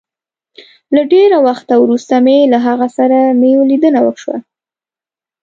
له ډېره وخته وروسته مي له هغه سره مي ليدنه وشوه